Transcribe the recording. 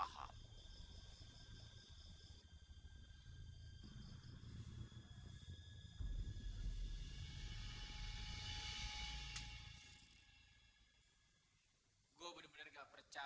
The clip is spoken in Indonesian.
hai antara ada dan tiada